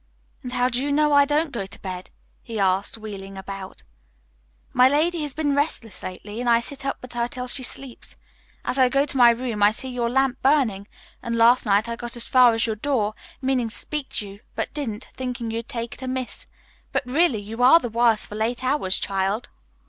"And how do you know I don't go to bed?" he asked, wheeling about. "My lady has been restless lately, and I sit up with her till she sleeps. As I go to my room, I see your lamp burning, and last night I got as far as your door, meaning to speak to you, but didn't, thinking you'd take it amiss. But really you are the worse for late hours, child."